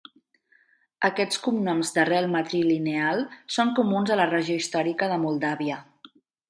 Aquests cognoms d'arrel matrilineal són comuns a la regió històrica de Moldàvia.